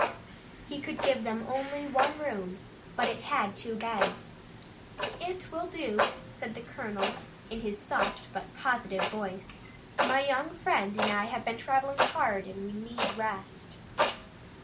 He could give them only one room, but it had two beds. "It will do," said the colonel, in his soft but positive voice. "My young friend and I have been traveling hard and we need rest."